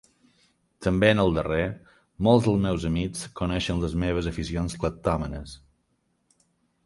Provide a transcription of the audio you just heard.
També en el darrer; molts dels meus amics coneixen les meves aficions cleptòmanes.